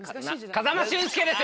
風間俊介です！